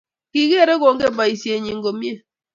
Kigerei kongen boisienyii komiee.